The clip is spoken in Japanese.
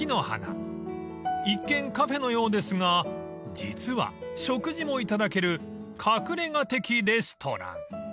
［一見カフェのようですが実は食事もいただける隠れ家的レストラン］